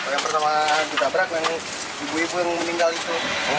yang pertama ditabrak memang ibu ibu yang meninggal itu